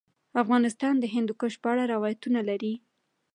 افغانستان د هندوکش په اړه روایتونه لري.